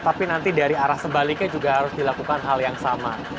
tapi nanti dari arah sebaliknya juga harus dilakukan hal yang sama